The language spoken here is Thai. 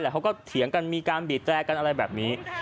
เขาก็เถียงกันมีการบีดแตรกันอะไรแบบนี้